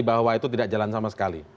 bahwa itu tidak jalan sama sekali